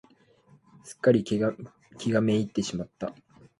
すっかり気が滅入ってしまった。